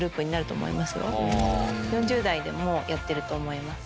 ４０代でもやってると思います。